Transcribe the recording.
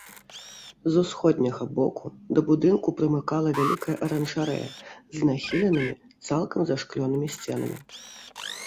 З усходняга боку да будынку прымыкала вялікая аранжарэя з нахіленымі, цалкам зашклёнымі сценамі.